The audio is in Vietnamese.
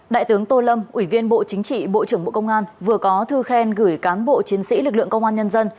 đại tướng tô lâm ủy viên bộ chính trị bộ trưởng bộ công an vừa có thư khen gửi cán bộ chiến sĩ lực lượng công an nhân dân